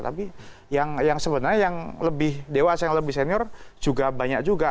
tapi yang sebenarnya yang lebih dewasa yang lebih senior juga banyak juga